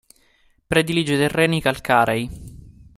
Predilige i terreni calcarei.